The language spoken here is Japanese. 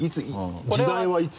時代はいつ？